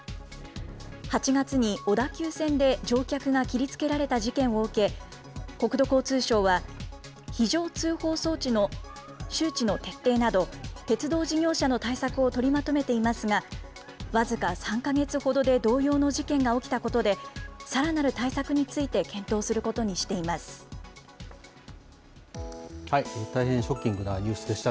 ８月に小田急線で乗客が切りつけられた事件を受け、国土交通省は、非常通報装置の周知の徹底など、鉄道事業者の対策を取りまとめていますが、僅か３か月ほどで同様の事件が起きたことで、さらなる対策について検討することにして大変ショッキングなニュースでした。